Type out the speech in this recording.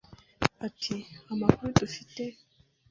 Ati “Amakuru dufite